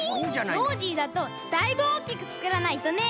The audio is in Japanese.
ノージーだとだいぶおおきくつくらないとね！